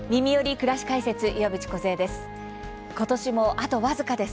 くらし解説」岩渕梢です。